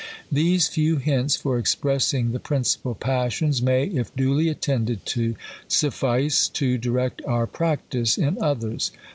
These few hints for expressing the principal passions may, if duly attended to, suffice to direct our practice in others.